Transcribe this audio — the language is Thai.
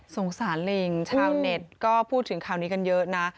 สงสารลิงชาวเน็ตก็พูดถึงข่าวนี้กันเยอะนะ